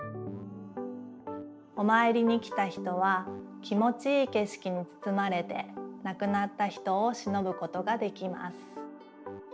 おまいりに来た人は気もちいいけしきにつつまれて亡くなった人をしのぶことができます。